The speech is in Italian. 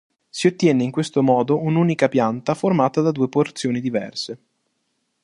Si ottiene in questo modo un'unica pianta formata da due porzioni diverse.